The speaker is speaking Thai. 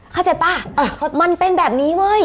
เข้าใจป่ะมันเป็นแบบนี้เว้ย